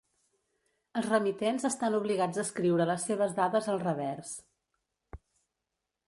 Els remitents estan obligats a escriure les seves dades al revers.